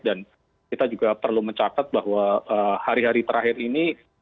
dan kita juga perlu mencatat bahwa hari hari terakhir ini